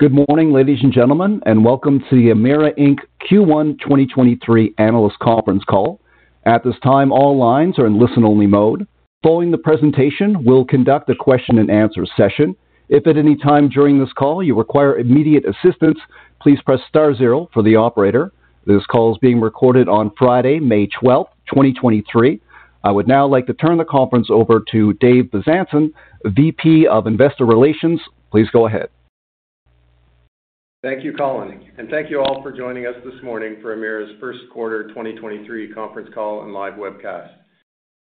Good morning, ladies and gentlemen, and welcome to the Emera Inc. Q1 2023 analyst conference call. At this time, all lines are in listen-only mode. Following the presentation, we'll conduct a question-and-answer session. If at any time during this call you require immediate assistance, please press star 0 for the operator. This call is being recorded on Friday, May 12th, 2023. I would now like to turn the conference over to Dave Bezanson, VP of Investor Relations. Please go ahead. Thank you, Colin, and thank you all for joining us this morning for Emera's first quarter 2023 conference call and live webcast.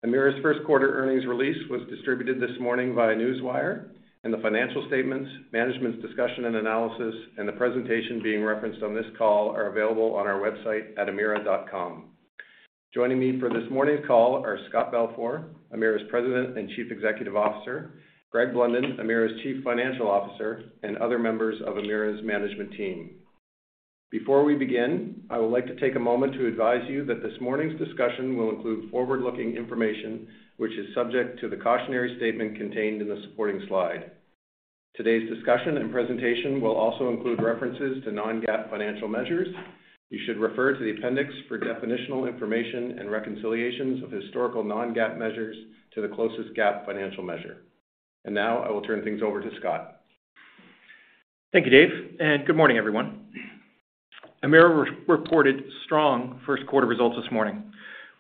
Emera's first quarter earnings release was distributed this morning via Newswire, and the financial statements, management's discussion and analysis and the presentation being referenced on this call are available on our website at emera.com. Joining me for this morning's call are Scott Balfour, Emera's President and Chief Executive Officer, Greg Blunden, Emera's Chief Financial Officer, and other members of Emera's management team. Before we begin, I would like to take a moment to advise you that this morning's discussion will include forward-looking information which is subject to the cautionary statement contained in the supporting slide. Today's discussion and presentation will also include references to non-GAAP financial measures. You should refer to the appendix for definitional information and reconciliations of historical non-GAAP measures to the closest GAAP financial measure. Now, I will turn things over to Scott. Thank you, Dave. Good morning, everyone. Emera reported strong first quarter results this morning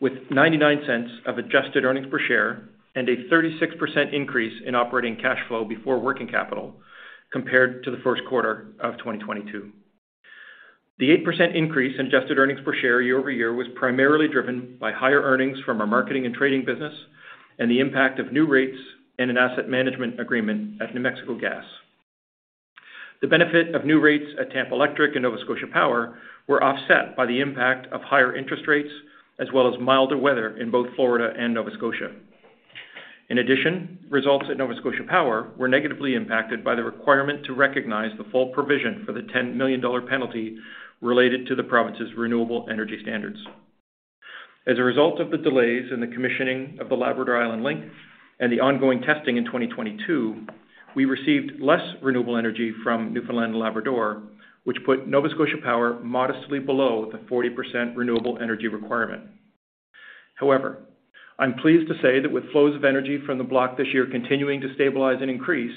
with $0.99 of adjusted earnings per share and a 36% increase in operating cash flow before working capital compared to the first quarter of 2022. The 8% increase in adjusted earnings per share year-over-year was primarily driven by higher earnings from our marketing and trading business and the impact of new rates and an asset management agreement at New Mexico Gas. The benefit of new rates at Tampa Electric and Nova Scotia Power were offset by the impact of higher interest rates as well as milder weather in both Florida and Nova Scotia. Results at Nova Scotia Power were negatively impacted by the requirement to recognize the full provision for the $10 million penalty related to the province's renewable energy standards. As a result of the delays in the commissioning of the Labrador Island Link and the ongoing testing in 2022, we received less renewable energy from Newfoundland and Labrador, which put Nova Scotia Power modestly below the 40% renewable energy requirement. I'm pleased to say that with flows of energy from the block this year continuing to stabilize and increase,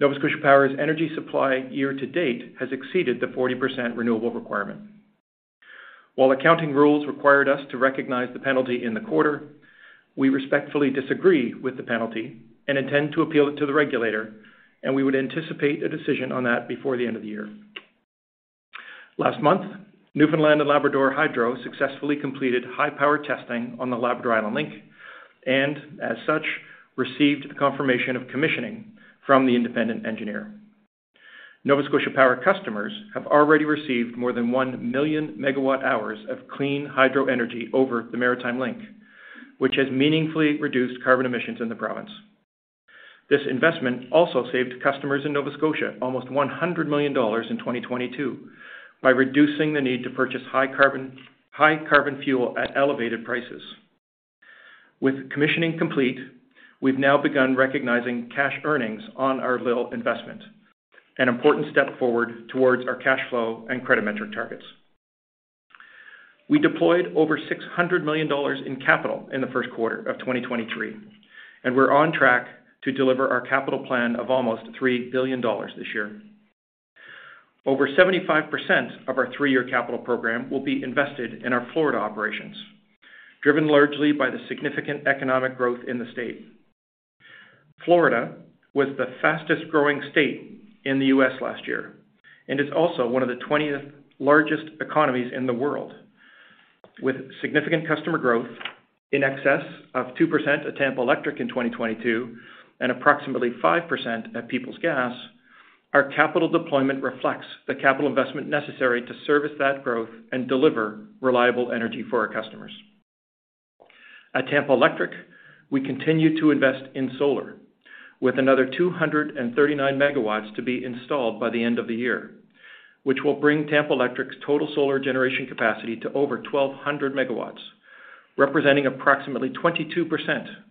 Nova Scotia Power's energy supply year to date has exceeded the 40% renewable requirement. While accounting rules required us to recognize the penalty in the quarter, we respectfully disagree with the penalty and intend to appeal it to the regulator, and we would anticipate a decision on that before the end of the year. Last month, Newfoundland and Labrador Hydro successfully completed high-power testing on the Labrador Island Link and as such, received the confirmation of commissioning from the independent engineer. Nova Scotia Power customers have already received more than 1 million megawatt hours of clean hydro energy over the Maritime Link, which has meaningfully reduced carbon emissions in the province. This investment also saved customers in Nova Scotia almost $100 million in 2022 by reducing the need to purchase high carbon fuel at elevated prices. With commissioning complete, we've now begun recognizing cash earnings on our LIL investment, an important step forward towards our cash flow and credit metric targets. We deployed over $600 million in capital in the first quarter of 2023, we're on track to deliver our capital plan of almost $3 billion this year. Over 75% of our three-year capital program will be invested in our Florida operations, driven largely by the significant economic growth in the state. Florida was the fastest-growing state in the U.S. last year and is also one of the 20th largest economies in the world. With significant customer growth in excess of 2% at Tampa Electric in 2022 and approximately 5% at Peoples Gas, our capital deployment reflects the capital investment necessary to service that growth and deliver reliable energy for our customers. At Tampa Electric, we continue to invest in solar with another 239 megawatts to be installed by the end of the year, which will bring Tampa Electric's total solar generation capacity to over 1,200 megawatts, representing approximately 22%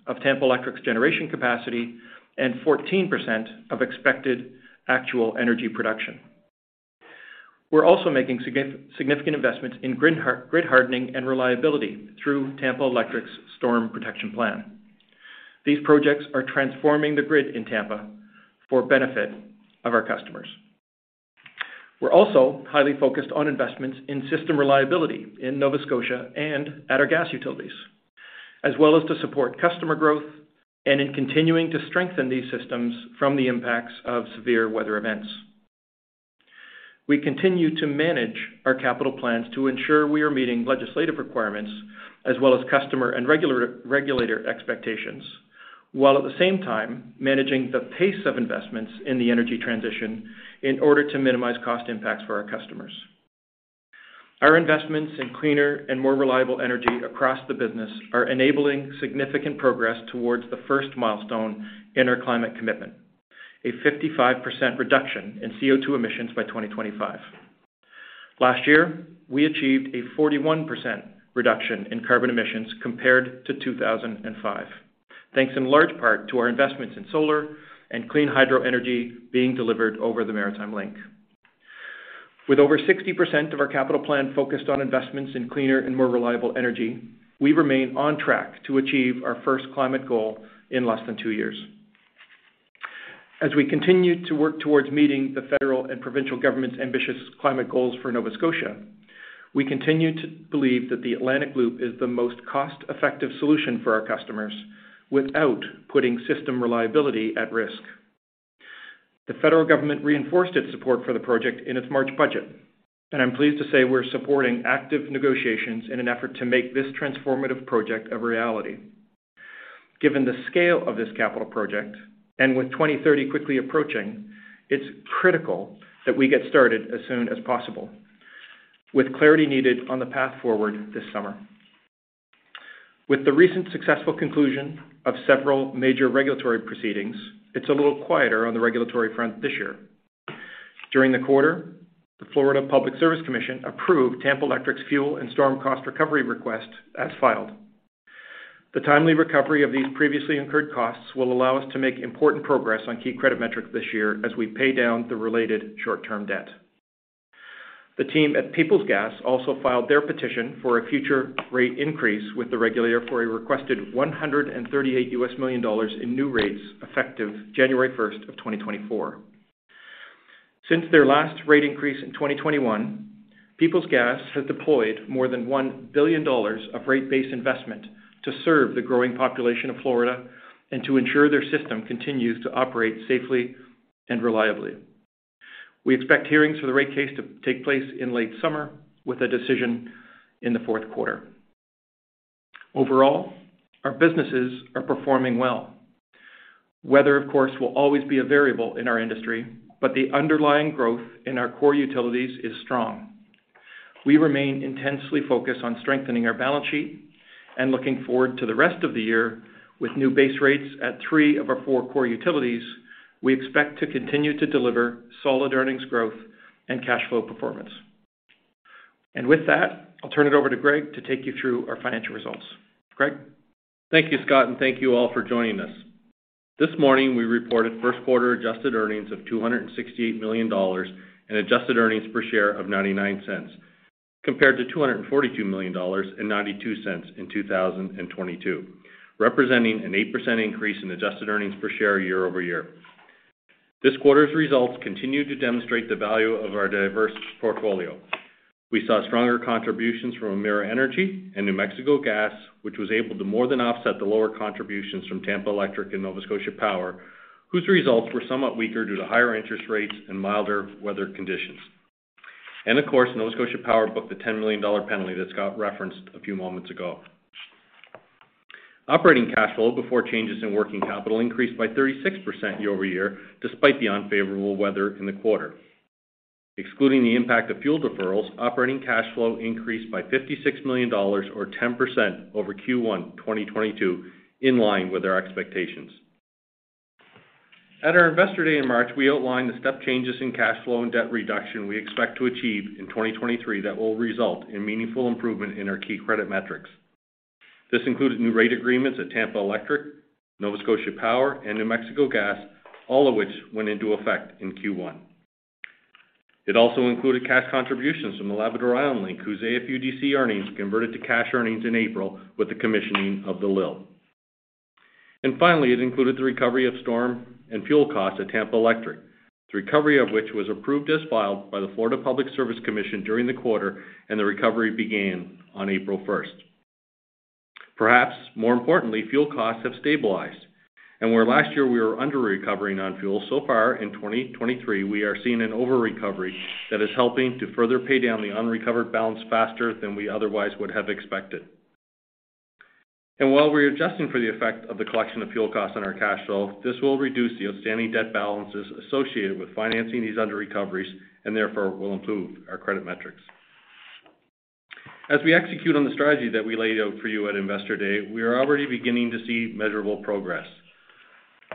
of Tampa Electric's generation capacity and 14% of expected actual energy production. We're also making significant investments in grid hardening and reliability through Tampa Electric's Storm Protection Plan. These projects are transforming the grid in Tampa for benefit of our customers. We're also highly focused on investments in system reliability in Nova Scotia and at our gas utilities, as well as to support customer growth and in continuing to strengthen these systems from the impacts of severe weather events. We continue to manage our capital plans to ensure we are meeting legislative requirements as well as customer and regulator expectations, while at the same time managing the pace of investments in the energy transition in order to minimize cost impacts for our customers. Our investments in cleaner and more reliable energy across the business are enabling significant progress towards the first milestone in our climate commitment, a 55% reduction in CO₂ emissions by 2025. Last year, we achieved a 41% reduction in carbon emissions compared to 2005, thanks in large part to our investments in solar and clean hydro energy being delivered over the Maritime Link. With over 60% of our capital plan focused on investments in cleaner and more reliable energy, we remain on track to achieve our first climate goal in less than two years. As we continue to work towards meeting the federal and provincial government's ambitious climate goals for Nova Scotia, we continue to believe that the Atlantic Loop is the most cost-effective solution for our customers without putting system reliability at risk. The federal government reinforced its support for the project in its March budget, and I'm pleased to say we're supporting active negotiations in an effort to make this transformative project a reality. Given the scale of this capital project, and with 2030 quickly approaching, it's critical that we get started as soon as possible with clarity needed on the path forward this summer. With the recent successful conclusion of several major regulatory proceedings, it's a little quieter on the regulatory front this year. During the quarter, the Florida Public Service Commission approved Tampa Electric's fuel and storm cost recovery request as filed. The timely recovery of these previously incurred costs will allow us to make important progress on key credit metrics this year as we pay down the related short-term debt. The team at Peoples Gas also filed their petition for a future rate increase with the regulator for a requested $138 million in new rates effective January 1st of 2024. Since their last rate increase in 2021, Peoples Gas has deployed more than $1 billion of rate-based investment to serve the growing population of Florida and to ensure their system continues to operate safely and reliably. We expect hearings for the rate case to take place in late summer with a decision in the fourth quarter. Overall, our businesses are performing well. Weather, of course, will always be a variable in our industry, but the underlying growth in our core utilities is strong. We remain intensely focused on strengthening our balance sheet and looking forward to the rest of the year. With new base rates at 3 of our 4 core utilities, we expect to continue to deliver solid earnings growth and cash flow performance. With that, I'll turn it over to Greg to take you through our financial results. Greg? Thank you, Scott, and thank you all for joining us. This morning, we reported first quarter adjusted earnings of 268 million dollars and adjusted earnings per share of 0.99 compared to 242 million dollars and 0.92 in 2022, representing an 8% increase in adjusted earnings per share year-over-year. This quarter's results continue to demonstrate the value of our diverse portfolio. We saw stronger contributions from Emera Energy and New Mexico Gas, which was able to more than offset the lower contributions from Tampa Electric and Nova Scotia Power, whose results were somewhat weaker due to higher interest rates and milder weather conditions. Of course, Nova Scotia Power booked the 10 million dollar penalty that Scott referenced a few moments ago. Operating cash flow before changes in working capital increased by 36% year-over-year, despite the unfavorable weather in the quarter. Excluding the impact of fuel deferrals, operating cash flow increased by $56 million or 10% over Q1 2022, in line with our expectations. At our Investor Day in March, we outlined the step changes in cash flow and debt reduction we expect to achieve in 2023 that will result in meaningful improvement in our key credit metrics. This includes new rate agreements at Tampa Electric, Nova Scotia Power, and New Mexico Gas, all of which went into effect in Q1. It also included cash contributions from the Labrador Island Link, whose AFUDC earnings converted to cash earnings in April with the commissioning of the LIL. Finally, it included the recovery of storm and fuel costs at Tampa Electric. The recovery of which was approved as filed by the Florida Public Service Commission during the quarter. The recovery began on April first. Perhaps more importantly, fuel costs have stabilized. Where last year we were under-recovering on fuel, so far in 2023, we are seeing an over-recovery that is helping to further pay down the unrecovered balance faster than we otherwise would have expected. While we're adjusting for the effect of the collection of fuel costs on our cash flow, this will reduce the outstanding debt balances associated with financing these under-recoveries and therefore will improve our credit metrics. As we execute on the strategy that we laid out for you at Investor Day, we are already beginning to see measurable progress.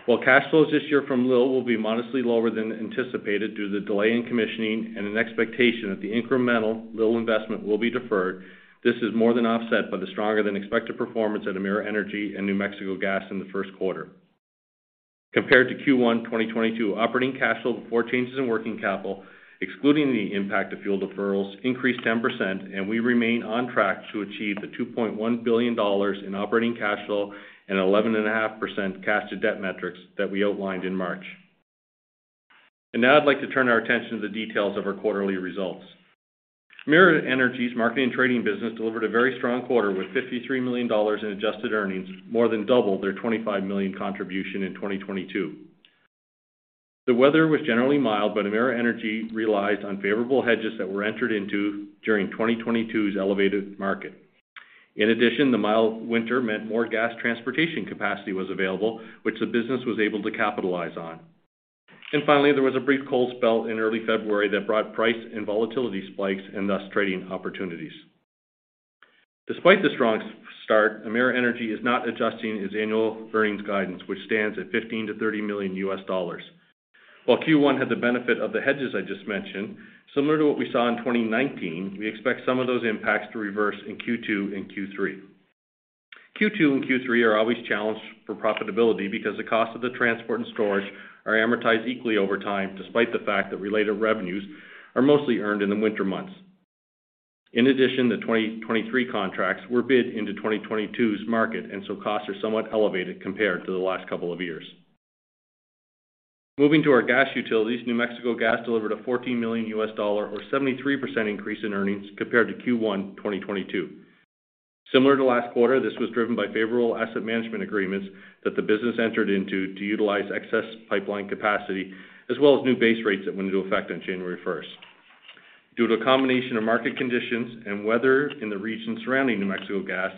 While cash flows this year from LIL will be modestly lower than anticipated due to the delay in commissioning and an expectation that the incremental LIL investment will be deferred, this is more than offset by the stronger than expected performance at Emera Energy and New Mexico Gas in the first quarter. Compared to Q1 2022, operating cash flow before changes in working capital, excluding the impact of fuel deferrals, increased 10%. We remain on track to achieve the $2.1 billion CAD in operating cash flow and 11.5% cash to debt metrics that we outlined in March. Now I'd like to turn our attention to the details of our quarterly results. Emera Energy's marketing and trading business delivered a very strong quarter with $53 million USD in adjusted earnings, more than double their $25 million USD contribution in 2022. The weather was generally mild, Emera Energy realized unfavorable hedges that were entered into during 2022's elevated market. In addition, the mild winter meant more gas transportation capacity was available, which the business was able to capitalize on. Finally, there was a brief cold spell in early February that brought price and volatility spikes and thus trading opportunities. Despite the strong start, Emera Energy is not adjusting its annual earnings guidance, which stands at $15 million-$30 million. While Q1 had the benefit of the hedges I just mentioned, similar to what we saw in 2019, we expect some of those impacts to reverse in Q2 and Q3. Q2 and Q3 are always challenged for profitability because the cost of the transport and storage are amortized equally over time, despite the fact that related revenues are mostly earned in the winter months. The 2023 contracts were bid into 2022's market, costs are somewhat elevated compared to the last couple of years. Moving to our gas utilities, New Mexico Gas delivered a $14 million or 73% increase in earnings compared to Q1 2022. Similar to last quarter, this was driven by favorable asset management agreements that the business entered into to utilize excess pipeline capacity, as well as new base rates that went into effect on January first. Due to a combination of market conditions and weather in the region surrounding New Mexico Gas,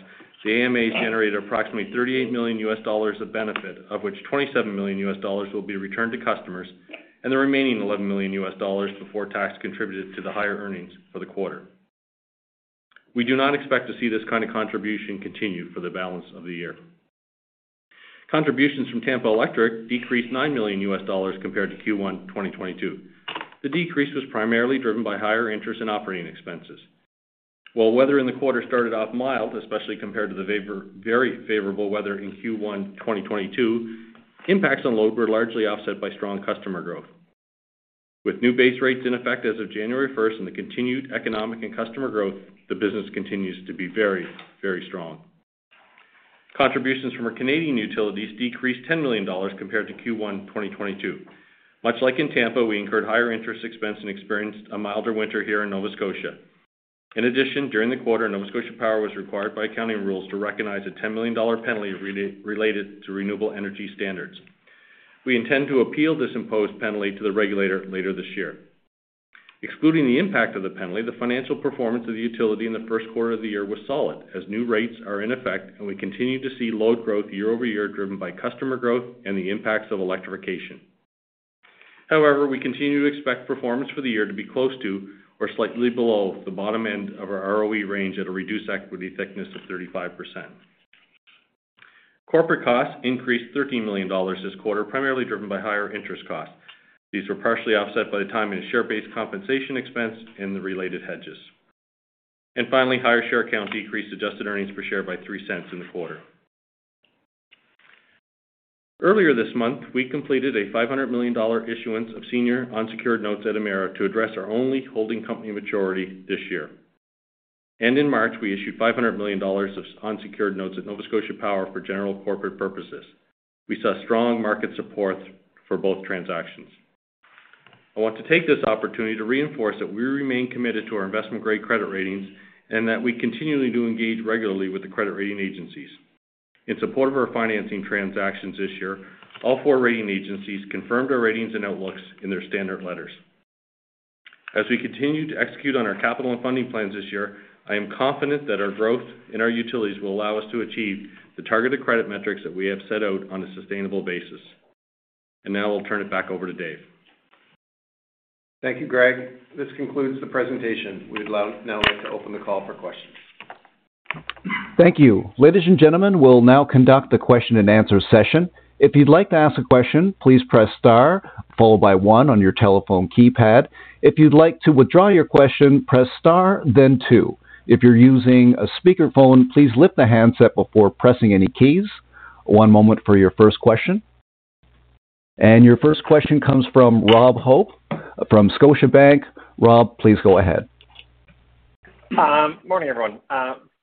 the AMAs generated approximately $38 million of benefit, of which $27 million will be returned to customers, the remaining $11 million before tax contributed to the higher earnings for the quarter. We do not expect to see this kind of contribution continue for the balance of the year. Contributions from Tampa Electric decreased $9 million compared to Q1 2022. The decrease was primarily driven by higher interest in operating expenses. While weather in the quarter started off mild, especially compared to the very favorable weather in Q1 2022, impacts on load were largely offset by strong customer growth. With new base rates in effect as of January 1st and the continued economic and customer growth, the business continues to be very, very strong. Contributions from our Canadian utilities decreased $10 million compared to Q1 2022. Much like in Tampa, we incurred higher interest expense and experienced a milder winter here in Nova Scotia. In addition, during the quarter, Nova Scotia Power was required by accounting rules to recognize a 10 million dollar penalty related to renewable energy standards. We intend to appeal this imposed penalty to the regulator later this year. Excluding the impact of the penalty, the financial performance of the utility in the first quarter of the year was solid, as new rates are in effect, and we continue to see load growth year-over-year driven by customer growth and the impacts of electrification. However, we continue to expect performance for the year to be close to or slightly below the bottom end of our ROE range at a reduced equity thickness of 35%. Corporate costs increased 13 million dollars this quarter, primarily driven by higher interest costs. These were partially offset by the timing of share-based compensation expense and the related hedges. Finally, higher share count decreased adjusted earnings per share by 3 cents in the quarter. Earlier this month, we completed a 500 million dollar issuance of senior unsecured notes at Emera to address our only holding company maturity this year. In March, we issued 500 million dollars of unsecured notes at Nova Scotia Power for general corporate purposes. We saw strong market support for both transactions. I want to take this opportunity to reinforce that we remain committed to our investment-grade credit ratings and that we continually do engage regularly with the credit rating agencies. In support of our financing transactions this year, all 4 rating agencies confirmed our ratings and outlooks in their standard letters. As we continue to execute on our capital and funding plans this year, I am confident that our growth in our utilities will allow us to achieve the targeted credit metrics that we have set out on a sustainable basis. Now I'll turn it back over to Dave. Thank you, Greg. This concludes the presentation. We'd now like to open the call for questions. Thank you. Ladies and gentlemen, we'll now conduct the question-and-answer session. If you'd like to ask a question, please press star, followed by one on your telephone keypad. If you'd like to withdraw your question, press star, then two. If you're using a speakerphone, please lift the handset before pressing any keys. One moment for your first question. Your first question comes from Rob Hope from Scotiabank. Rob, please go ahead. Morning, everyone.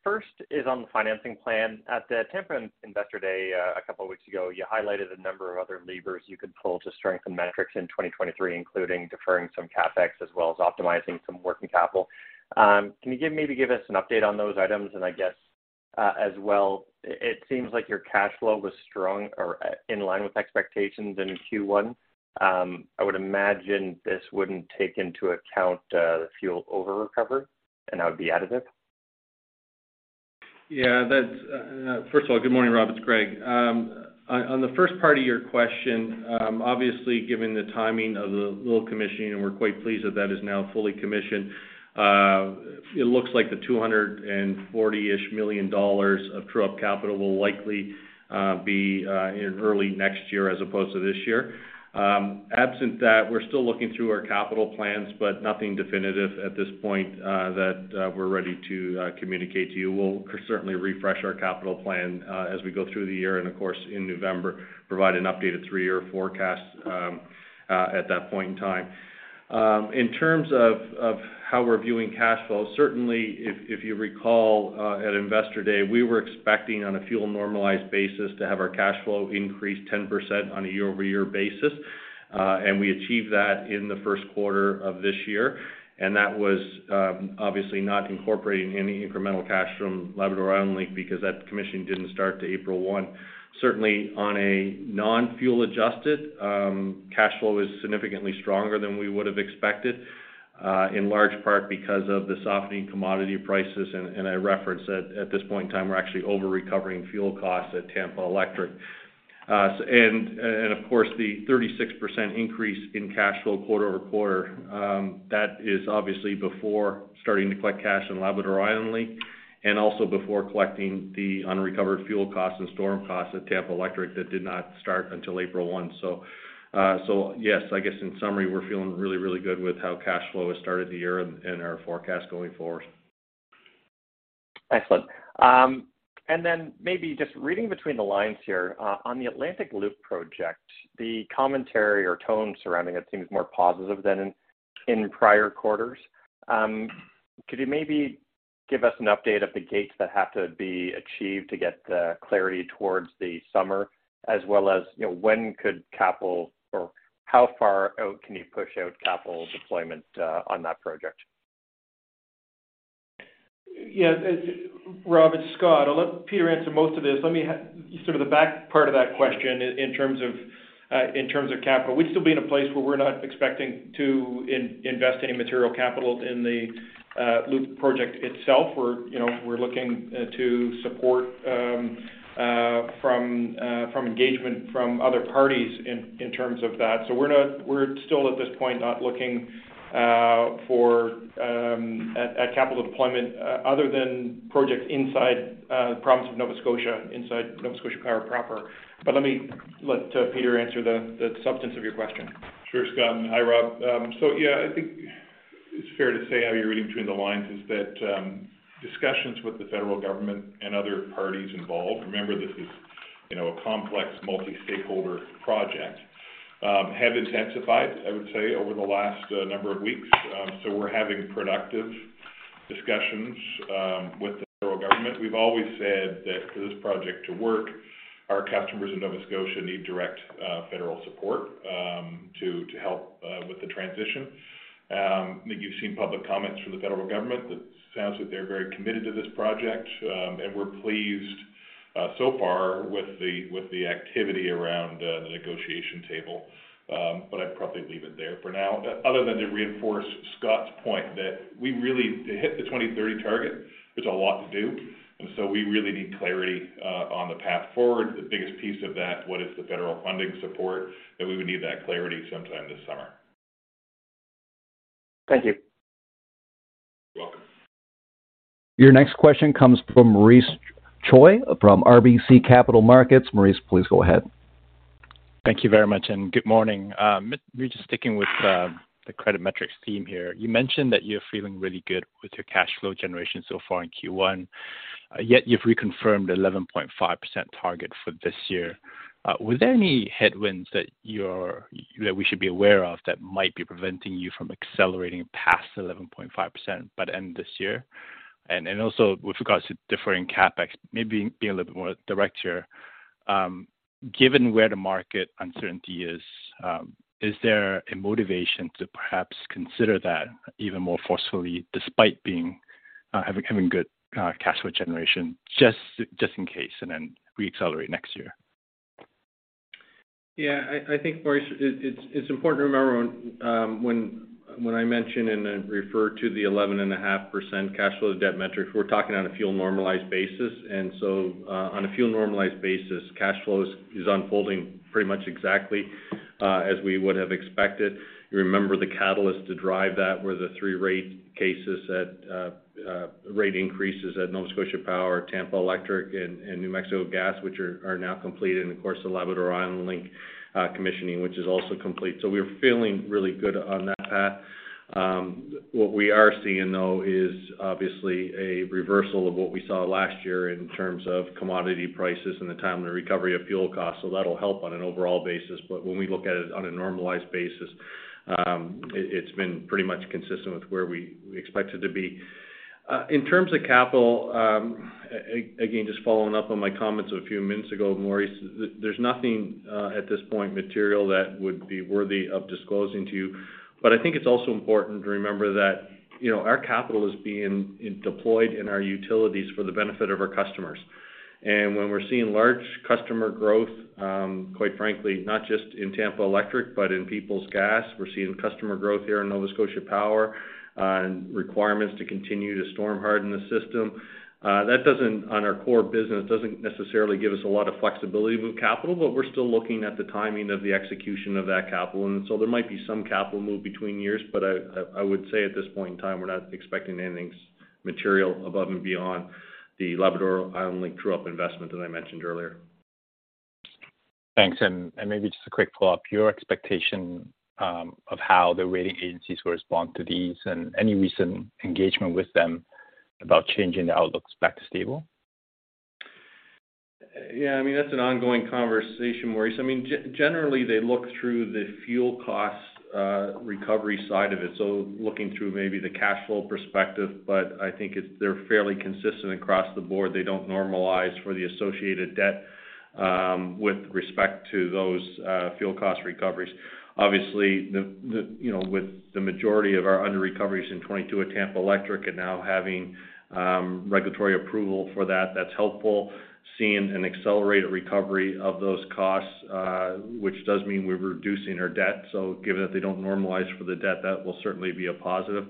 First is on the financing plan. At the Tampa Investor Day, a couple of weeks ago, you highlighted a number of other levers you could pull to strengthen metrics in 2023, including deferring some CapEx as well as optimizing some working capital. Can you maybe give us an update on those items? I guess, as well, it seems like your cash flow was strong or in line with expectations in Q1. I would imagine this wouldn't take into account the fuel over-recovery, and that would be additive. First of all, good morning, Rob. It's Greg. On the first part of your question, obviously, given the timing of the LIL commissioning, and we're quite pleased that that is now fully commissioned, it looks like the 240-ish million dollars of true-up capital will likely be in early next year as opposed to this year. Absent that, we're still looking through our capital plans, nothing definitive at this point that we're ready to communicate to you. We'll certainly refresh our capital plan as we go through the year and of course, in November, provide an updated three-year forecast at that point in time. In terms of how we're viewing cash flow, certainly if you recall, at Investor Day, we were expecting on a fuel-normalized basis to have our cash flow increase 10% on a year-over-year basis. We achieved that in the 1st quarter of this year. That was obviously not incorporating any incremental cash from Labrador Island Link because that commission didn't start till April 1. Certainly, on a non-fuel adjusted, cash flow is significantly stronger than we would have expected, in large part because of the softening commodity prices. I referenced that at this point in time, we're actually over-recovering fuel costs at Tampa Electric. Of course, the 36% increase in cash flow quarter-over-quarter, that is obviously before starting to collect cash in Labrador Island Link and also before collecting the unrecovered fuel costs and storm costs at Tampa Electric that did not start until April 1. Yes, I guess in summary, we're feeling really, really good with how cash flow has started the year and our forecast going forward. Excellent. Maybe just reading between the lines here, on the Atlantic Loop project, the commentary or tone surrounding it seems more positive than in prior quarters. Could you maybe give us an update of the gates that have to be achieved to get the clarity towards the summer, as well as, you know, when could capital or how far out can you push out capital deployment on that project? Yeah, Rob, it's Scott Balfour. I'll let Peter answer most of this. Sort of the back part of that question in terms of, in terms of capital, we'd still be in a place where we're not expecting to invest any material capital in the Atlantic Loop project itself. We're, you know, we're looking to support from engagement from other parties in terms of that. We're still, at this point, not looking for at capital deployment other than projects inside province of Nova Scotia, inside Nova Scotia Power proper. Let me let Peter answer the substance of your question. Sure, Scott. Hi, Rob. Yeah, I think it's fair to say how you're reading between the lines is that discussions with the federal government and other parties involved, remember this is, you know, a complex multi-stakeholder project, have intensified, I would say, over the last number of weeks. We're having productive discussions with the federal government. We've always said that for this project to work, our customers in Nova Scotia need direct federal support to help with the transition. I think you've seen public comments from the federal government that sounds that they're very committed to this project, and we're pleased so far with the activity around the negotiation table. I'd probably leave it there for now. Other than to reinforce Scott's point that we really. To hit the 2030 target, there's a lot to do. We really need clarity on the path forward. The biggest piece of that, what is the federal funding support, that we would need that clarity sometime this summer. Thank you. You're welcome. Your next question comes from Maurice Choy from RBC Capital Markets. Maurice, please go ahead. Thank you very much, and good morning. We're just sticking with the credit metrics theme here. You mentioned that you're feeling really good with your cash flow generation so far in Q1, yet you've reconfirmed 11.5% target for this year. Were there any headwinds that we should be aware of that might be preventing you from accelerating past 11.5% by the end this year? Also with regards to differing CapEx, maybe being a little bit more direct here. Given where the market uncertainty is there a motivation to perhaps consider that even more forcefully, despite being having good cash flow generation, just in case, and then re-accelerate next year? Yeah. I think, Maurice, it's important to remember when I mention and I refer to the 11.5% cash flow to debt metric, we're talking on a fuel normalized basis. On a fuel normalized basis, cash flow is unfolding pretty much exactly as we would have expected. You remember the catalyst to drive that were the 3 rate cases at rate increases at Nova Scotia Power, Tampa Electric and New Mexico Gas, which are now complete. Of course, the Labrador Island Link commissioning, which is also complete. We're feeling really good on that path. What we are seeing, though, is obviously a reversal of what we saw last year in terms of commodity prices and the timely recovery of fuel costs. That'll help on an overall basis. When we look at it on a normalized basis, it's been pretty much consistent with where we expect it to be. In terms of capital, again, just following up on my comments a few minutes ago, Maurice, there's nothing at this point material that would be worthy of disclosing to you. I think it's also important to remember that, you know, our capital is being deployed in our utilities for the benefit of our customers. When we're seeing large customer growth, quite frankly, not just in Tampa Electric, but in Peoples Gas, we're seeing customer growth here in Nova Scotia Power and requirements to continue to storm harden the system. That on our core business, doesn't necessarily give us a lot of flexibility to move capital, but we're still looking at the timing of the execution of that capital. There might be some capital move between years, but I would say at this point in time, we're not expecting anything material above and beyond the Labrador Island Link true-up investment that I mentioned earlier. Thanks. Maybe just a quick follow-up. Your expectation of how the rating agencies respond to these and any recent engagement with them about changing the outlooks back to stable. Yeah, I mean, that's an ongoing conversation, Maurice. I mean, generally, they look through the fuel cost recovery side of it, so looking through maybe the cash flow perspective. I think they're fairly consistent across the board. They don't normalize for the associated debt with respect to those fuel cost recoveries. Obviously, the, you know, with the majority of our underrecoveries in 22 at Tampa Electric and now having regulatory approval for that's helpful. Seeing an accelerated recovery of those costs, which does mean we're reducing our debt. Given that they don't normalize for the debt, that will certainly be a positive.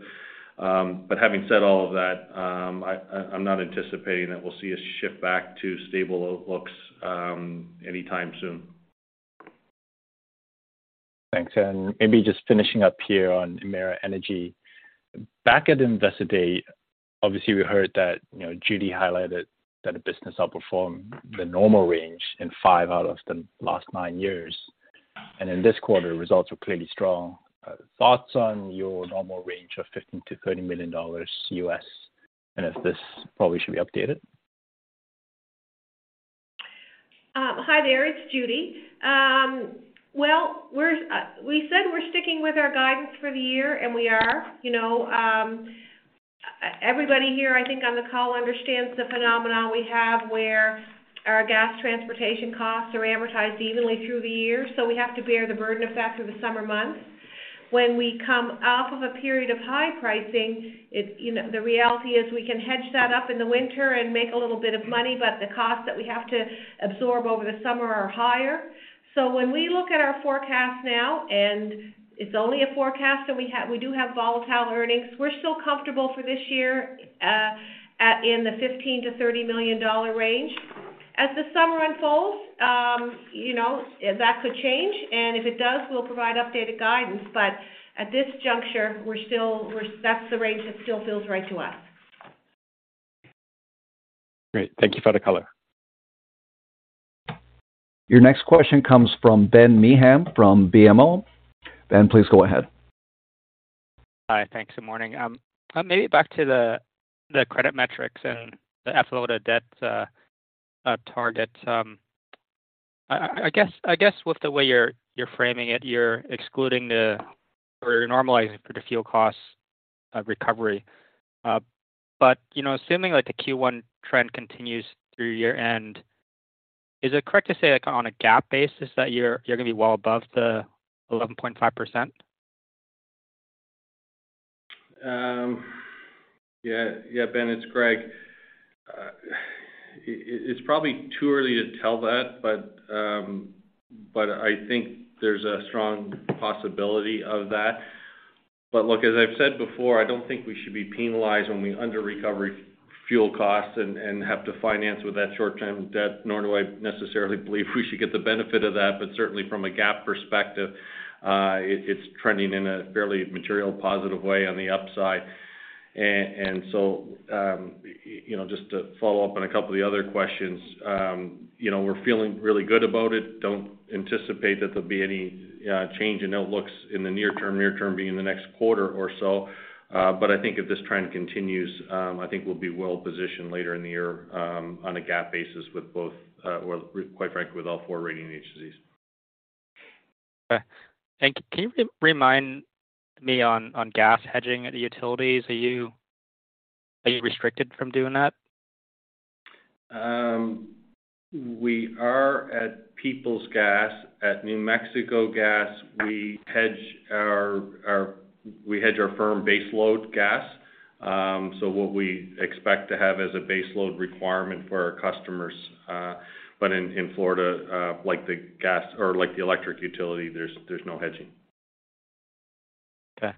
Having said all of that, I'm not anticipating that we'll see a shift back to stable outlooks anytime soon. Thanks. Maybe just finishing up here on Emera Energy. Back at Investor Day, obviously we heard that, you know, Judy highlighted that the business outperformed the normal range in five out of the last nine years. In this quarter, results were clearly strong. Thoughts on your normal range of $15 million-$30 million, and if this probably should be updated? Hi there, it's Judy. Well, we're, we said we're sticking with our guidance for the year. We are. You know, everybody here I think on the call understands the phenomenon we have where our gas transportation costs are amortized evenly through the year. We have to bear the burden effect of the summer months. When we come off of a period of high pricing, it, you know, the reality is we can hedge that up in the winter and make a little bit of money, but the costs that we have to absorb over the summer are higher. When we look at our forecast now, it's only a forecast, and we do have volatile earnings, we're still comfortable for this year, at in the $15 million-$30 million range. As the summer unfolds, you know, that could change. If it does, we'll provide updated guidance. At this juncture, that's the range that still feels right to us. Great. Thank you for the color. Your next question comes from Ben Pham from BMO. Ben, please go ahead. Hi. Thanks. Good morning. Maybe back to the credit metrics and the F loaded debt target. I guess with the way you're framing it, you're excluding the or normalizing for the fuel costs recovery. You know, assuming like the Q1 trend continues through year-end, is it correct to say like on a GAAP basis that you're gonna be well above the 11.5%? Yeah. Yeah, Ben, it's Greg. It's probably too early to tell that, but I think there's a strong possibility of that. Look, as I've said before, I don't think we should be penalized when we under-recovery fuel costs and have to finance with that short-term debt, nor do I necessarily believe we should get the benefit of that. Certainly from a GAAP perspective, it's trending in a fairly material positive way on the upside. You know, just to follow up on a couple of the other questions, you know, we're feeling really good about it. Don't anticipate that there'll be any change in outlooks in the near term. Near term being the next quarter or so. I think if this trend continues, I think we'll be well positioned later in the year, on a GAAP basis with both, or quite frankly, with all four rating agencies. Okay. Can you remind me on gas hedging at the utilities? Are you restricted from doing that? We are at Peoples Gas. At New Mexico Gas, we hedge our firm base load gas, so what we expect to have as a base load requirement for our customers. In, in Florida, like the gas or like the electric utility, there's no hedging. Okay.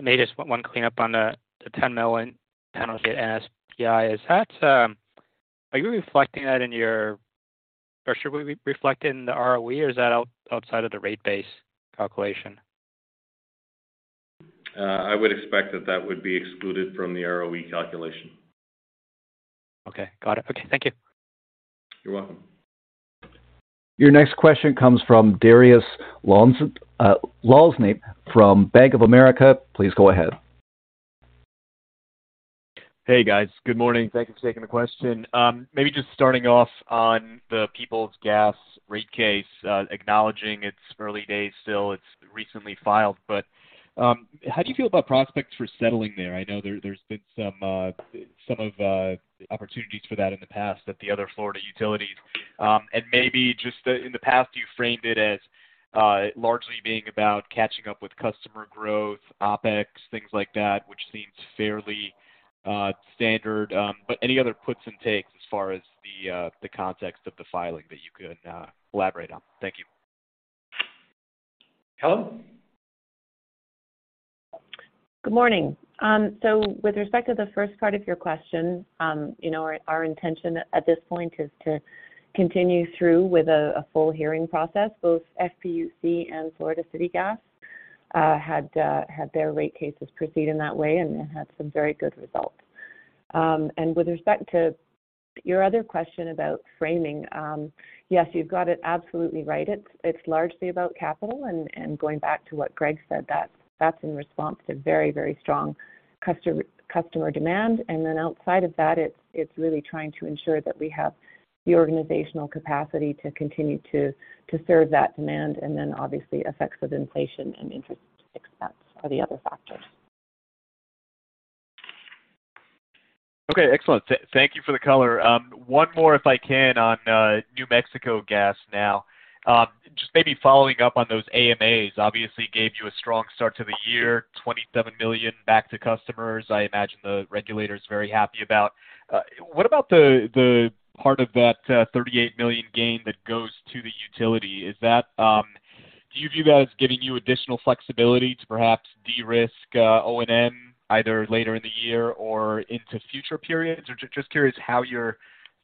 Maybe just one clean up on the $10 million penalty at NSPI. Is that, are you reflecting that in your or should we reflect in the ROE or is that outside of the rate base calculation? I would expect that that would be excluded from the ROE calculation. Okay. Got it. Okay. Thank you. You're welcome. Your next question comes from Dariusz Lozny from Bank of America. Please go ahead. Hey, guys. Good morning. Thank you for taking the question. Maybe just starting off on the Peoples Gas rate case, acknowledging it's early days still. It's recently filed, how do you feel about prospects for settling there? I know there's been some opportunities for that in the past at the other Florida utilities. Maybe just in the past, you framed it as largely being about catching up with customer growth, OpEx, things like that, which seems fairly standard. Any other puts and takes as far as the context of the filing that you could elaborate on? Thank you. Helen? Good morning. With respect to the first part of your question, you know, our intention at this point is to continue through with a full hearing process. Both FPUC and Florida City Gas had their rate cases proceed in that way, and they had some very good results. With respect to your other question about framing, yes, you've got it absolutely right. It's largely about capital and going back to what Greg said, that's in response to very strong customer demand. Outside of that, it's really trying to ensure that we have the organizational capacity to continue to serve that demand, and then obviously effects of inflation and interest expense are the other factors. Okay, excellent. Thank you for the color. One more if I can on New Mexico Gas now. Just maybe following up on those AMAs obviously gave you a strong start to the year, $27 million back to customers, I imagine the regulator is very happy about. What about the part of that $38 million gain that goes to the utility? Is that? Do you view that as giving you additional flexibility to perhaps de-risk, O&M either later in the year or into future periods? Just curious how you're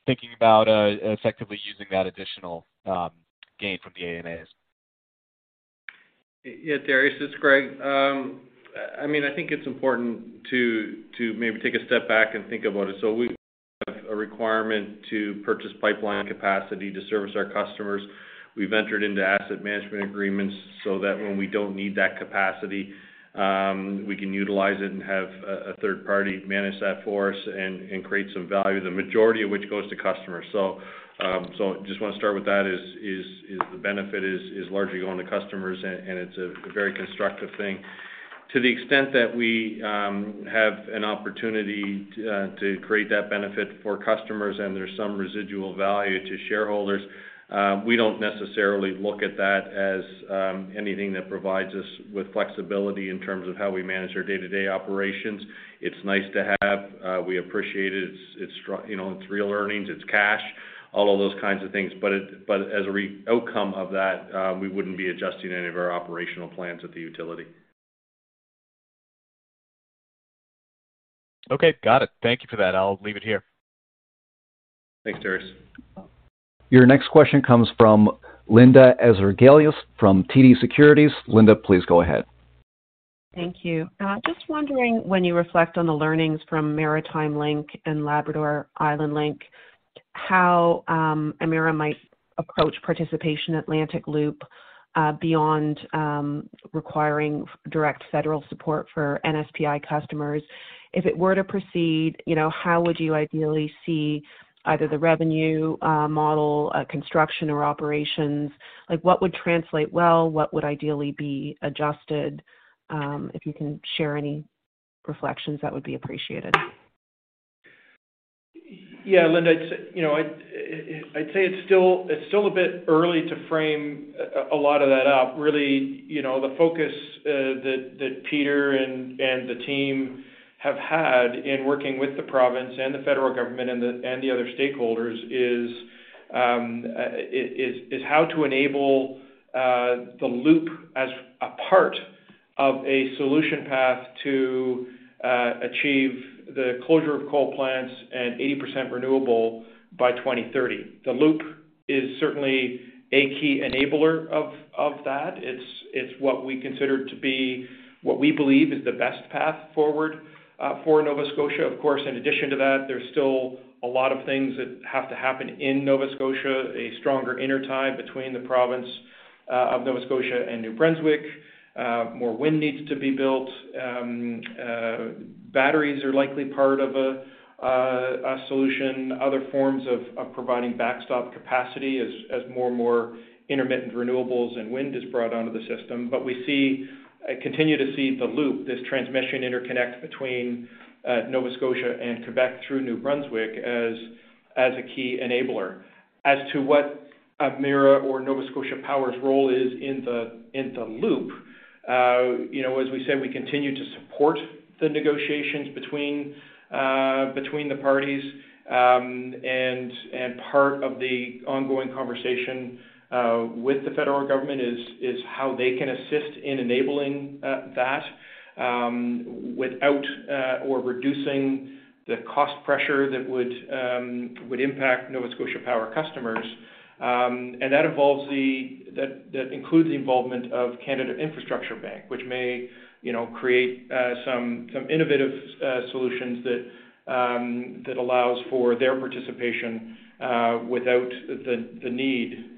thinking about effectively using that additional gain from the AMAs. Yeah, Dariusz, this is Greg. I mean, I think it's important to maybe take a step back and think about it. We have a requirement to purchase pipeline capacity to service our customers. We've entered into asset management agreements so that when we don't need that capacity, we can utilize it and have a third party manage that for us and create some value, the majority of which goes to customers. Just wanna start with that is the benefit is largely going to customers and it's a very constructive thing. To the extent that we have an opportunity to create that benefit for customers and there's some residual value to shareholders, we don't necessarily look at that as anything that provides us with flexibility in terms of how we manage our day-to-day operations. It's nice to have. We appreciate it. It's, you know, it's real earnings, it's cash, all of those kinds of things. As an outcome of that, we wouldn't be adjusting any of our operational plans at the utility. Okay. Got it. Thank you for that. I'll leave it here. Thanks, Dariusz. Your next question comes from Linda Ezergailis from TD Securities. Linda, please go ahead. Thank you. Just wondering when you reflect on the learnings from Maritime Link and Labrador Island Link, how Emera might approach participation Atlantic Loop, beyond requiring direct federal support for NSPI customers. If it were to proceed, you know, how would you ideally see either the revenue model, construction or operations? Like, what would translate well, what would ideally be adjusted? If you can share any reflections, that would be appreciated. Yeah. Linda, it's, you know, I'd say it's still, it's still a bit early to frame a lot of that up. Really, you know, the focus that Peter and the team have had in working with the province and the federal government and the other stakeholders is how to enable the Loop as a part of a solution path to achieve the closure of coal plants and 80% renewable by 2030. The Loop is certainly a key enabler of that. It's what we consider to be what we believe is the best path forward for Nova Scotia. Of course, in addition to that, there's still a lot of things that have to happen in Nova Scotia, a stronger intertie between the province of Nova Scotia and New Brunswick. More wind needs to be built. Batteries are likely part of a solution. Other forms of providing backstop capacity as more and more intermittent renewables and wind is brought onto the system. We continue to see the loop, this transmission interconnect between Nova Scotia and Quebec through New Brunswick as a key enabler. As to what Emera or Nova Scotia Power's role is in the loop, you know, as we said, we continue to support the negotiations between the parties. Part of the ongoing conversation with the federal government is how they can assist in enabling that without or reducing the cost pressure that would impact Nova Scotia Power customers. That involves the... That includes the involvement of Canada Infrastructure Bank, which may, you know, create some innovative solutions that allows for their participation without the need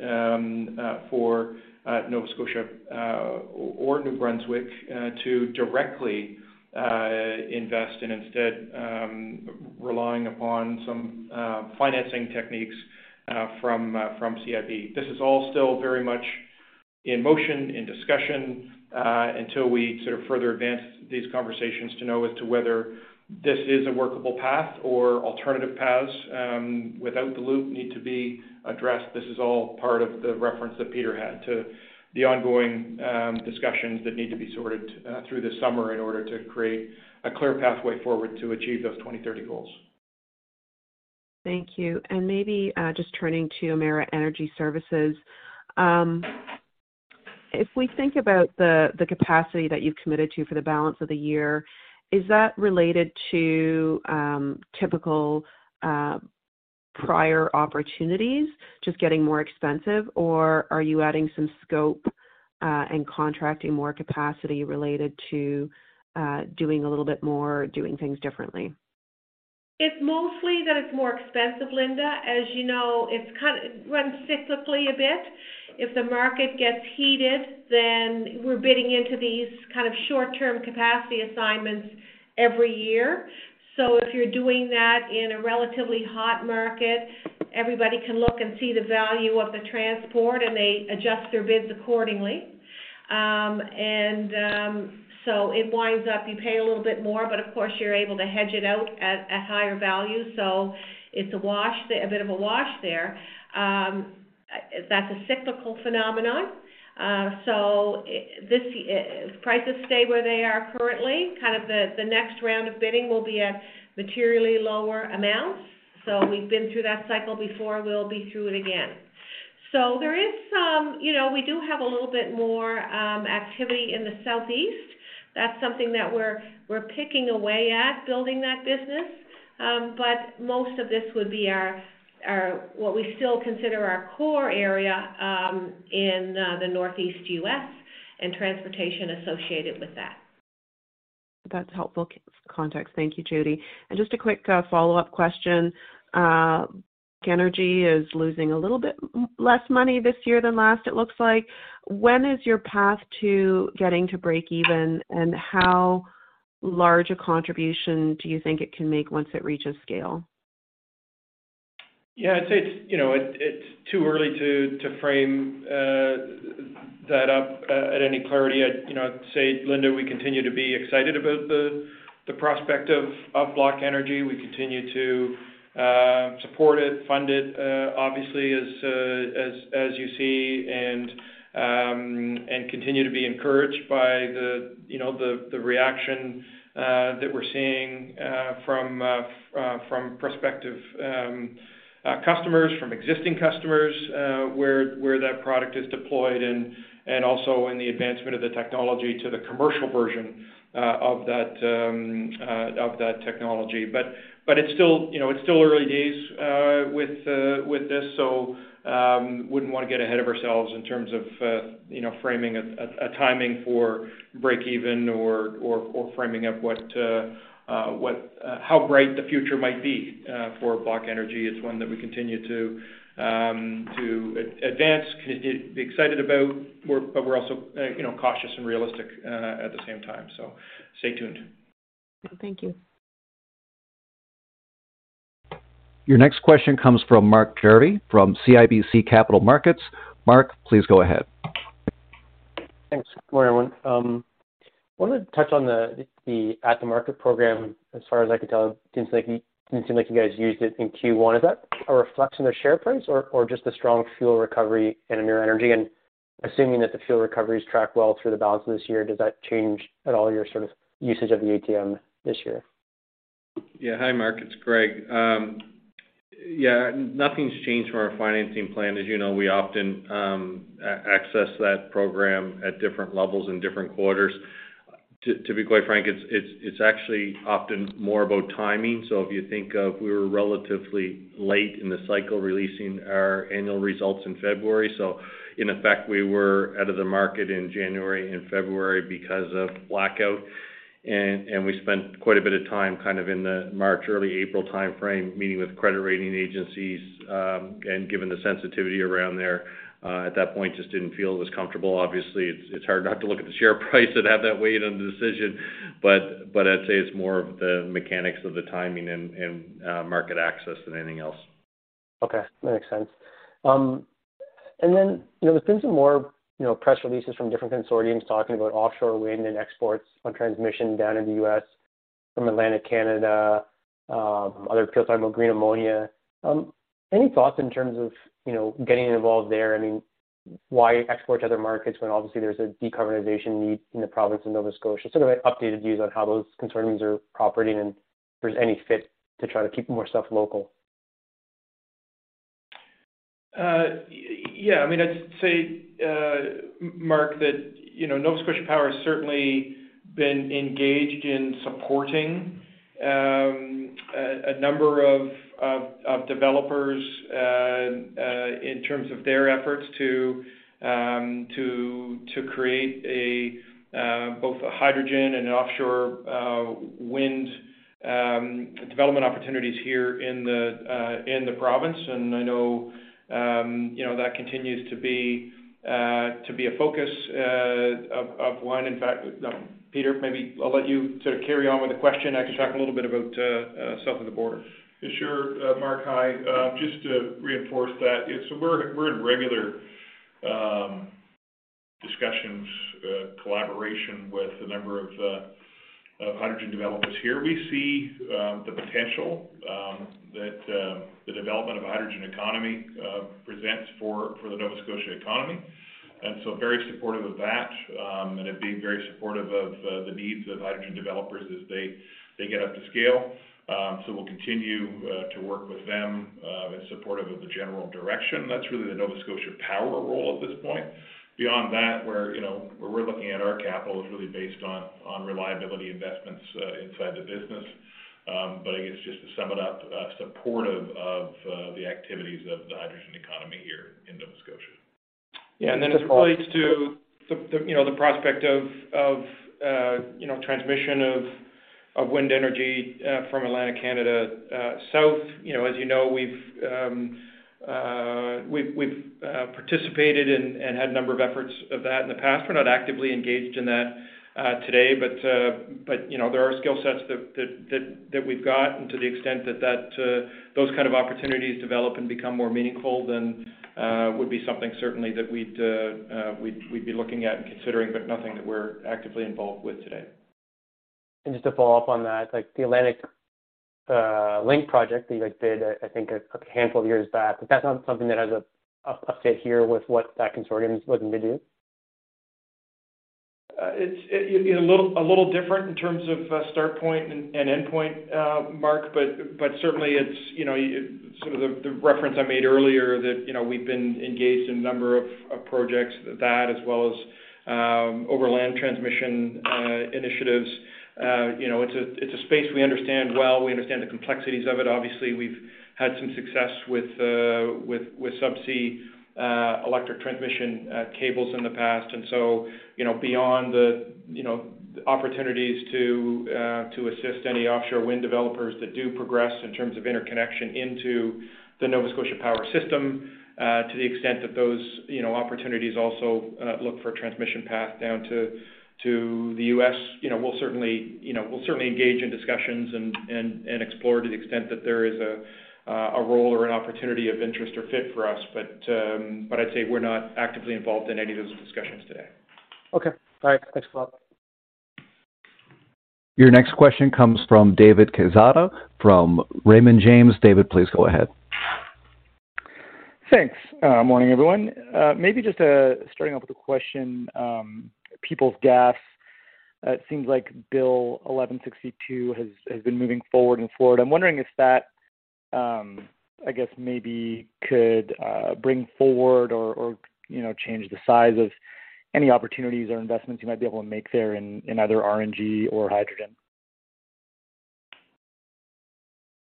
for Nova Scotia or New Brunswick to directly invest and instead relying upon some financing techniques from CIB. This is all still very much in motion, in discussion, until we sort of further advance these conversations to know as to whether this is a workable path or alternative paths without the Loop need to be addressed. This is all part of the reference that Peter had to the ongoing discussions that need to be sorted through this summer in order to create a clear pathway forward to achieve those 2030 goals. Thank you. Maybe, just turning to Emera Energy Services. If we think about the capacity that you've committed to for the balance of the year, is that related to typical prior opportunities just getting more expensive, or are you adding some scope and contracting more capacity related to doing a little bit more, doing things differently? It's mostly that it's more expensive, Linda. As you know, it runs cyclically a bit. If the market gets heated, we're bidding into these kind of short-term capacity assignments every year. If you're doing that in a relatively hot market, everybody can look and see the value of the transport, they adjust their bids accordingly. It winds up, you pay a little bit more, of course, you're able to hedge it out at higher value. It's a wash there, a bit of a wash there. That's a cyclical phenomenon. If prices stay where they are currently, kind of the next round of bidding will be at materially lower amounts. We've been through that cycle before, we'll be through it again. You know, we do have a little bit more activity in the Southeast. That's something that we're picking away at building that business. Most of this would be our what we still consider our core area in the Northeast U.S. and transportation associated with that. That's helpful context. Thank you, Judy. Just a quick follow-up question. Energy is losing a little bit less money this year than last, it looks like. When is your path to getting to breakeven, and how large a contribution do you think it can make once it reaches scale? Yeah, I'd say it's, you know, it's too early to frame that up at any clarity. I'd, you know, say, Linda, we continue to be excited about the prospect of BlockEnergy. We continue to support it, fund it, obviously, as you see, and continue to be encouraged by the, you know, the reaction that we're seeing from prospective customers, from existing customers, where that product is deployed and also in the advancement of the technology to the commercial version of that technology. It's still, you know, it's still early days with this. Wouldn't want to get ahead of ourselves in terms of, you know, framing a timing for breakeven or framing up how bright the future might be for BlockEnergy. It's one that we continue to advance, be excited about. We're also, you know, cautious and realistic at the same time. Stay tuned. Thank you. Your next question comes from Mark Jarvi from CIBC Capital Markets. Mark, please go ahead. Thanks. Good morning, everyone. Wanted to touch on the At-the-Market program. As far as I could tell, it didn't seem like you guys used it in Q1. Is that a reflection of share price or just the strong fuel recovery in your energy? Assuming that the fuel recoveries track well through the balance of this year, does that change at all your sort of usage of the ATM this year? Yeah. Hi, Mark. It's Greg. Yeah, nothing's changed from our financing plan. As you know, we often access that program at different levels in different quarters. To be quite frank, it's actually often more about timing. If you think of we were relatively late in the cycle, releasing our annual results in February, so in effect, we were out of the market in January and February because of blackout. We spent quite a bit of time, kind of in the March, early April timeframe, meeting with credit rating agencies, and given the sensitivity around there, at that point, just didn't feel it was comfortable. Obviously, it's hard not to look at the share price and have that weigh in on the decision. I'd say it's more of the mechanics of the timing and market access than anything else. Okay. That makes sense. Then, you know, there's been some more, you know, press releases from different consortiums talking about offshore wind and exports on transmission down in the U.S. from Atlantic Canada, other people talking about green ammonia. Any thoughts in terms of, you know, getting involved there? I mean, why export to other markets when obviously there's a decarbonization need in the province of Nova Scotia? Sort of updated views on how those consortiums are operating and if there's any fit to try to keep more stuff local. I mean, I'd say, Mark, that, you know, Nova Scotia Power has certainly been engaged in supporting a number of developers in terms of their efforts to create a both a hydrogen and an offshore wind development opportunities here in the province. I know, you know, that continues to be a focus of one. In fact, Peter, maybe I'll let you sort of carry on with the question, actually talk a little bit about south of the border. Sure. Mark, hi. Just to reinforce that. Yeah, we're in regular discussions, collaboration with a number of hydrogen developers here. We see the potential that the development of a hydrogen economy presents for the Nova Scotia economy, very supportive of that, and have been very supportive of the needs of hydrogen developers as they get up to scale. We'll continue to work with them in supportive of the general direction. That's really the Nova Scotia Power role at this point. Beyond that, we're, you know, we're looking at our capital is really based on reliability investments inside the business. I guess just to sum it up, supportive of the activities of the hydrogen economy here in Nova Scotia. Yeah. Then as it relates to the, you know, the prospect of, you know, transmission of wind energy from Atlantic Canada south. You know, as you know, we've participated and had a number of efforts of that in the past. We're not actively engaged in that today, but, you know, there are skill sets that we've got. To the extent that those kind of opportunities develop and become more meaningful than would be something certainly that we'd be looking at and considering, but nothing that we're actively involved with today. Just to follow up on that, like the Atlantic Link project that you guys did, I think a handful of years back, that's not something that has a fit here with what that consortium is looking to do? It's, you know, a little different in terms of start point and endpoint, Mark, but certainly it's, you know, sort of the reference I made earlier that, you know, we've been engaged in a number of projects that as well as over land transmission initiatives. You know, it's a space we understand well. We understand the complexities of it. Obviously, we've had some success with subsea electric transmission cables in the past. You know, beyond the opportunities to assist any offshore wind developers that do progress in terms of interconnection into the Nova Scotia Power system, to the extent that those, you know, opportunities also look for a transmission path down to the U.S. You know, we'll certainly, you know, we'll certainly engage in discussions and explore to the extent that there is a role or an opportunity of interest or fit for us. I'd say we're not actively involved in any of those discussions today. Okay. All right. Thanks a lot. Your next question comes from David Quezada from Raymond James. David, please go ahead. Thanks. Morning, everyone. Maybe just, starting off with a question, Peoples Gas, it seems like SB 1162 has been moving forward in Florida. I'm wondering if that, I guess maybe could, bring forward or, you know, change the size of any opportunities or investments you might be able to make there in either RNG or hydrogen?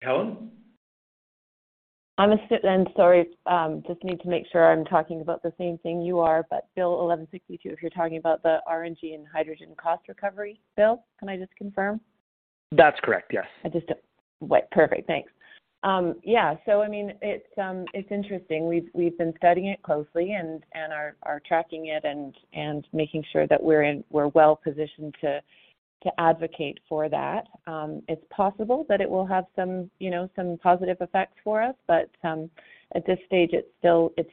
Helen? I'm going to sit. Sorry, just need to make sure I'm talking about the same thing you are. SB 1162, if you're talking about the RNG and hydrogen cost recovery bill, can I just confirm? That's correct, yes. I just... Wait. Perfect. Thanks. I mean, it's interesting. We've been studying it closely and are tracking it and making sure that we're well-positioned to advocate for that. It's possible that it will have some, you know, some positive effects for us, but at this stage, it's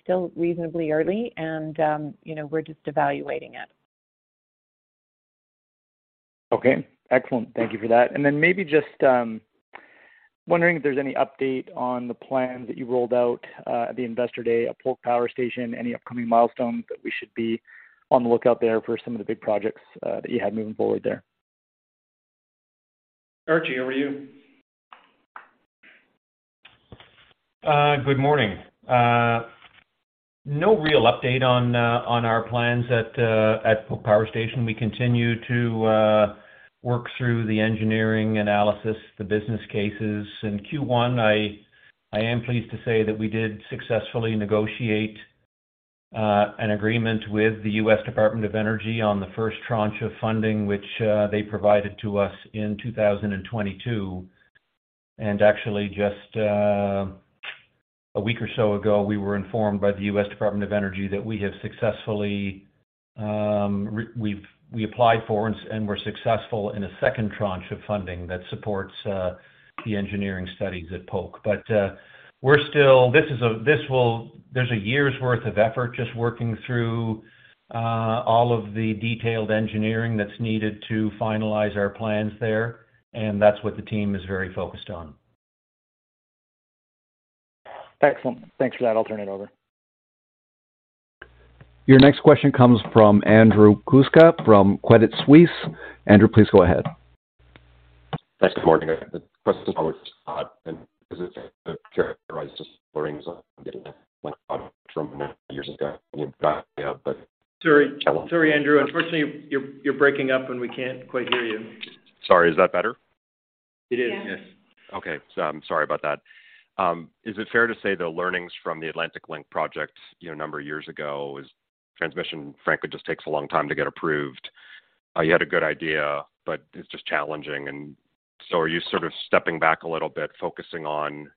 still reasonably early and, you know, we're just evaluating it. Okay, excellent. Thank you for that. Maybe just wondering if there's any update on the plans that you rolled out at the Investor Day at Polk Power Station? Any upcoming milestones that we should be on the lookout there for some of the big projects that you have moving forward there? Archie, over to you. Good morning. No real update on our plans at Polk Power Station. We continue to work through the engineering analysis, the business cases. In Q1, I am pleased to say that we did successfully negotiate an agreement with the U.S. Department of Energy on the first tranche of funding, which they provided to us in 2022. Actually, just a week or so ago, we were informed by the U.S. Department of Energy that we have successfully, we applied for and were successful in a second tranche of funding that supports the engineering studies at Polk. We're still... This is a, this will... There's a year's worth of effort just working through all of the detailed engineering that's needed to finalize our plans there, and that's what the team is very focused on. Excellent. Thanks for that. I'll turn it over. Your next question comes from Andrew Kuske from Credit Suisse. Andrew, please go ahead. Sorry, Andrew. Unfortunately, you're breaking up, and we can't quite hear you. Sorry. Is that better? It is, yes. Yeah. Okay. I'm sorry about that. Is it fair to say the learnings from the Atlantic Link project, you know, a number of years ago is transmission, frankly, just takes a long time to get approved? You had a good idea, but it's just challenging. Are you sort of stepping back a little bit, focusing on,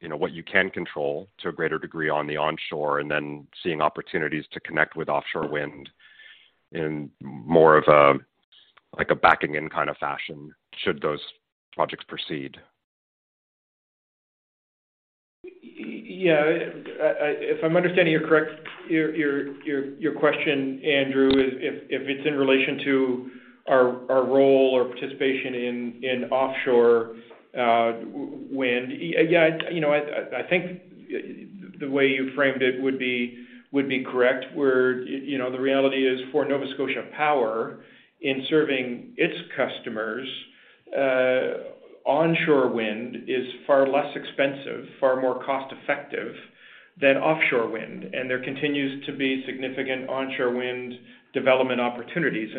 you know, what you can control to a greater degree on the onshore, and then seeing opportunities to connect with offshore wind in more of a, like, a backing in kind of fashion should those projects proceed? Yeah. If I'm understanding you correct, your question, Andrew, if it's in relation to our role or participation in offshore wind. Yeah, you know, I think the way you framed it would be correct, where, you know, the reality is for Nova Scotia Power in serving its customers, onshore wind is far less expensive, far more cost-effective than offshore wind. There continues to be significant onshore wind development opportunities.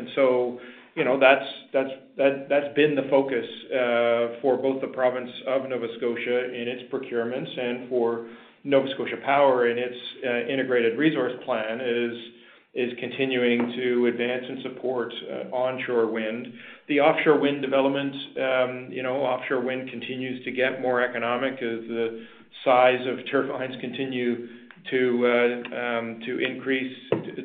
You know, that's been the focus for both the province of Nova Scotia in its procurements and for Nova Scotia Power in its integrated resource plan, is continuing to advance and support onshore wind. The offshore wind development, you know, offshore wind continues to get more economic as the size of turbines continue to increase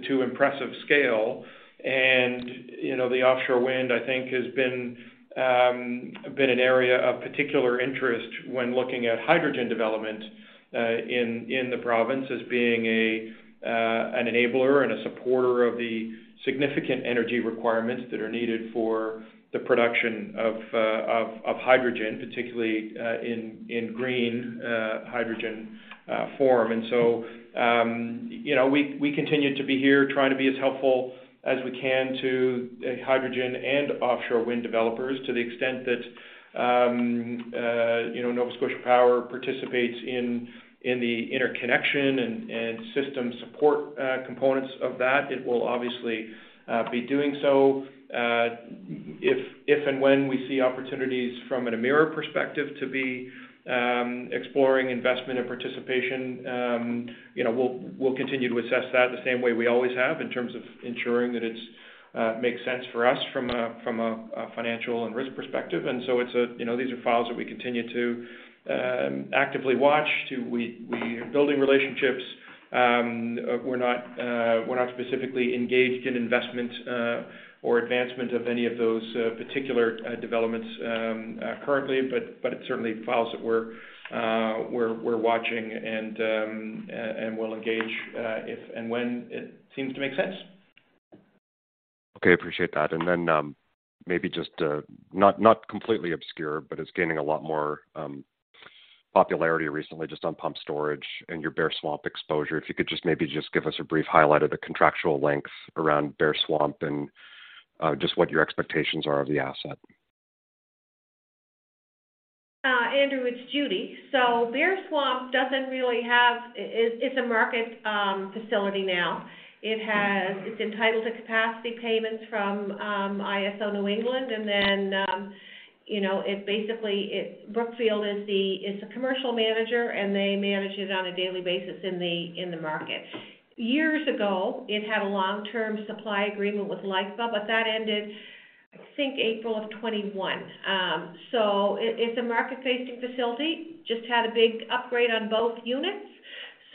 to impressive scale. You know, the offshore wind, I think, has been an area of particular interest when looking at hydrogen development in the province as being an enabler and a supporter of the significant energy requirements that are needed for the production of hydrogen, particularly in green hydrogen form. You know, we continue to be here trying to be as helpful as we can to hydrogen and offshore wind developers to the extent that, you know, Nova Scotia Power participates in the interconnection and system support components of that. It will obviously be doing so. If and when we see opportunities from an Emera perspective to be exploring investment and participation, you know, we'll continue to assess that the same way we always have in terms of ensuring that it makes sense for us from a financial and risk perspective. It's a, you know, these are files that we continue to actively watch. We are building relationships We're not specifically engaged in investment or advancement of any of those particular developments currently, but it certainly files that we're watching and we'll engage if and when it seems to make sense. Okay, appreciate that. Maybe just, not completely obscure, but it's gaining a lot more popularity recently just on pump storage and your Bear Swamp exposure. If you could just maybe just give us a brief highlight of the contractual length around Bear Swamp and, just what your expectations are of the asset. Andrew, it's Judy. Bear Swamp doesn't really have. It's a market facility now. It's entitled to capacity payments from ISO New England. You know, it basically, Brookfield is the commercial manager, and they manage it on a daily basis in the market. Years ago, it had a long-term supply agreement with LIPA, that ended, I think, April of 2021. It's a market-facing facility. Just had a big upgrade on both units,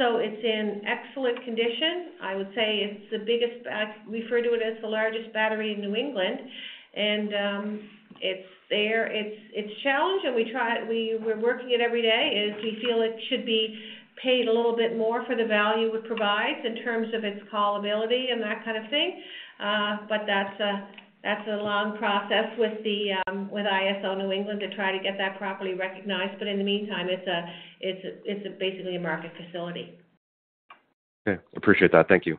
it's in excellent condition. I would say it's the largest battery in New England. It's there. It's a challenge, and we're working it every day. Is we feel it should be paid a little bit more for the value it provides in terms of its callability and that kind of thing. That's a long process with the, with ISO New England to try to get that properly recognized. In the meantime, it's basically a market facility. Okay. Appreciate that. Thank you.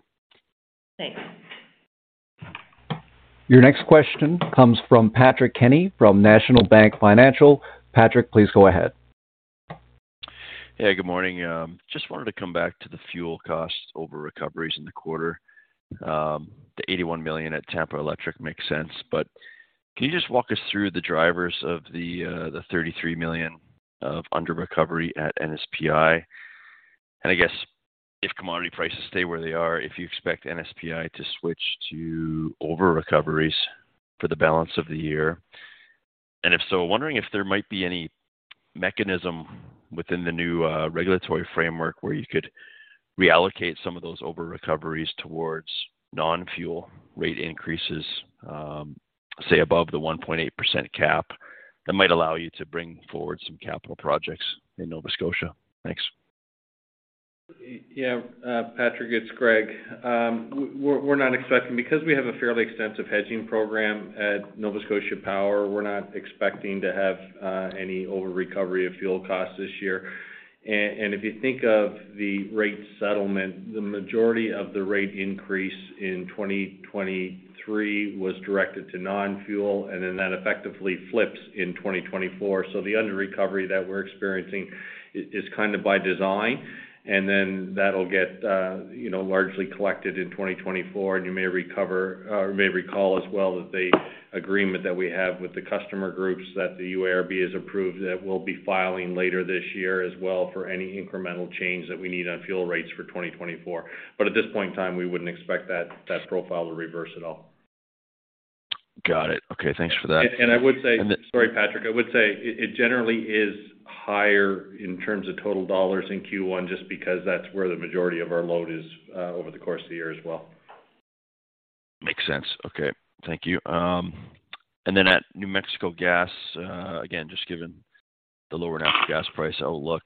Thanks. Your next question comes from Patrick Kenny from National Bank Financial. Patrick, please go ahead. Hey, good morning. Just wanted to come back to the fuel costs over recoveries in the quarter. The $81 million at Tampa Electric makes sense. Can you just walk us through the drivers of the $33 million of underrecovery at NSPI? I guess if commodity prices stay where they are, if you expect NSPI to switch to overrecoveries for the balance of the year. If so, wondering if there might be any mechanism within the new regulatory framework where you could reallocate some of those overrecoveries towards non-fuel rate increases, say above the 1.8% cap that might allow you to bring forward some capital projects in Nova Scotia. Thanks. Patrick, it's Greg. We're not expecting because we have a fairly extensive hedging program at Nova Scotia Power, we're not expecting to have any overrecovery of fuel costs this year. If you think of the rate settlement, the majority of the rate increase in 2023 was directed to non-fuel, that effectively flips in 2024. The underrecovery that we're experiencing is kind of by design. That'll get, you know, largely collected in 2024. You may recover or may recall as well that the agreement that we have with the customer groups that the UARB has approved, that we'll be filing later this year as well for any incremental change that we need on fuel rates for 2024. At this point in time, we wouldn't expect that profile to reverse at all. Got it. Okay, thanks for that. I would say- And the- Sorry, Patrick. I would say it generally is higher in terms of total dollars in Q1 just because that's where the majority of our load is over the course of the year as well. Makes sense. Okay. Thank you. At New Mexico Gas, again, just given the lower natural gas price outlook,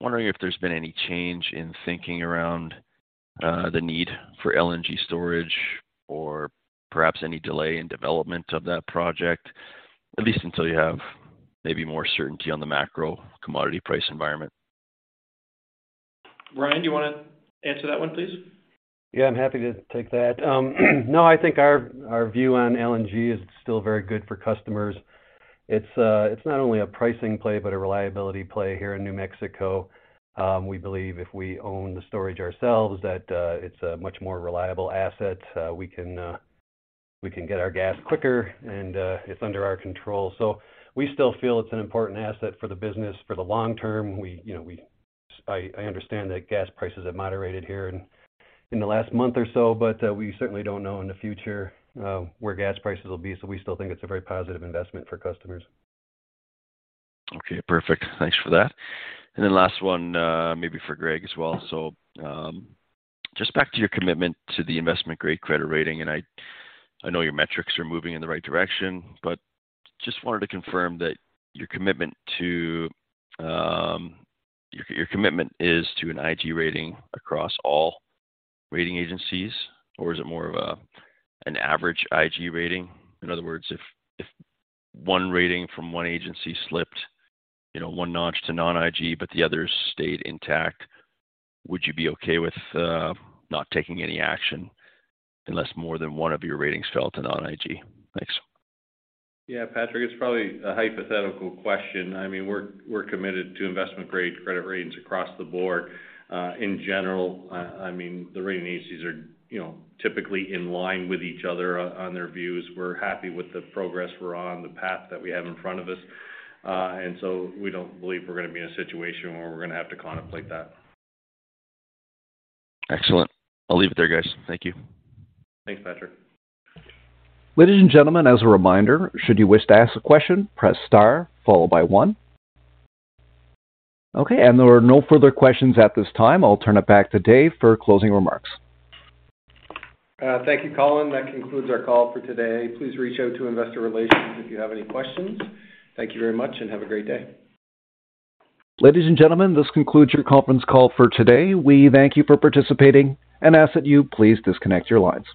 wondering if there's been any change in thinking around the need for LNG storage or perhaps any delay in development of that project, at least until you have maybe more certainty on the macro commodity price environment. Ryan, do you wanna answer that one, please? Yeah, I'm happy to take that. I think our view on LNG is it's still very good for customers. It's not only a pricing play but a reliability play here in New Mexico. We believe if we own the storage ourselves that it's a much more reliable asset. We can get our gas quicker, it's under our control. We still feel it's an important asset for the business for the long term. We, you know, I understand that gas prices have moderated here in the last month or so, we certainly don't know in the future where gas prices will be. We still think it's a very positive investment for customers. Okay, perfect. Thanks for that. Last one, maybe for Greg as well. Just back to your commitment to the investment-grade credit rating, and I know your metrics are moving in the right direction, but just wanted to confirm that your commitment to, your commitment is to an IG rating across all rating agencies, or is it more of a, an average IG rating? In other words, if 1 rating from 1 agency slipped, you know, 1 notch to non-IG, but the others stayed intact, would you be okay with not taking any action unless more than 1 of your ratings fell to non-IG? Thanks. Yeah, Patrick, it's probably a hypothetical question. I mean, we're committed to investment-grade credit ratings across the board. in general, I mean, the rating agencies are, you know, typically in line with each other on their views. We're happy with the progress. We're on the path that we have in front of us. we don't believe we're gonna be in a situation where we're gonna have to contemplate that. Excellent. I'll leave it there, guys. Thank you. Thanks, Patrick. Ladies and gentlemen, as a reminder, should you wish to ask a question, press star followed by one. Okay, there are no further questions at this time. I'll turn it back to Dave for closing remarks. Thank you, Colin. That concludes our call for today. Please reach out to investor relations if you have any questions. Thank you very much and have a great day. Ladies and gentlemen, this concludes your conference call for today. We thank you for participating and ask that you please disconnect your lines.